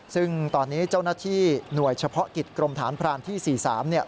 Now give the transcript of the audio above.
ซึ่งตอนนี้เจ้าหน้าที่หน่วยเฉพาะกิจกรมฐานพรานที่๔๓เนี่ย